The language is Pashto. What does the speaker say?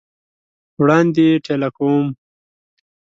وړاندي یې ټېله کوم !